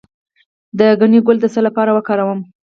د ګنی ګل د څه لپاره وکاروم؟